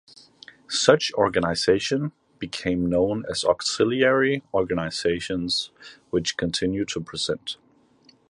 Such organization became known as auxiliary organizations, which continue to the present.